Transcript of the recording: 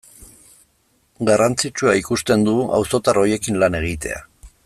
Garrantzitsua ikusten du auzotar horiekin lan egitea.